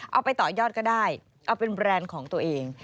เอาไปต่อยอดก็ได้เอาเป็นแบรนด์ของตัวเอง